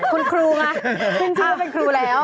คุณครูข่าว